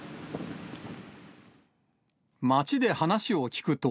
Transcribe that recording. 街で話を聞くと。